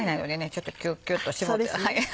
ちょっとキュッキュッと絞って。